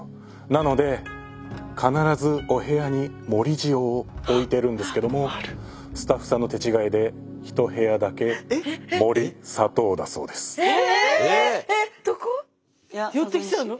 なので必ずお部屋に盛り塩を置いてるんですけどもスタッフさんの手違いで寄ってきちゃうの？